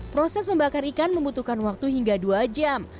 proses membakar ikan membutuhkan waktu hingga dua jam